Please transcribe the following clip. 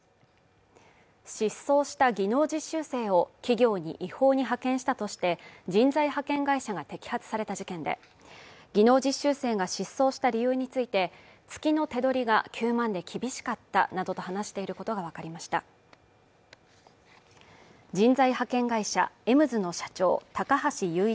失踪した技能実習生を企業に違法に派遣したとして人材派遣会社が摘発された事件で技能実習生が失踪した理由について月の手取りが９万で厳しかったなどと話していることが分かりました人材派遣会社エムズの社長高橋裕一